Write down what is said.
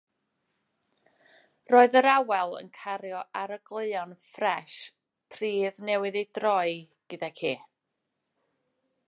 Roedd yr awel yn cario arogleuon ffres pridd newydd ei droi gydag hi.